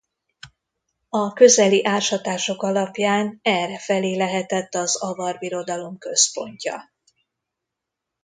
A közeli ásatások alapján errefelé lehetett az avar birodalom központja.